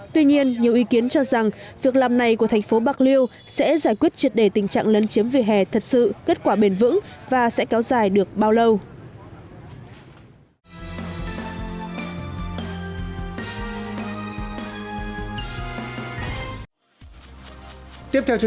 tuy nhiên nhiều ý kiến cho rằng việc làm này của thành phố bạc liêu sẽ giải quyết triệt đề tình trạng lấn chiếm vỉa hè thật sự kết quả bền vững và sẽ kéo dài được bao lâu